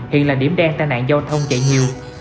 hiện là điểm đen tai nạn giao thông chạy nhiều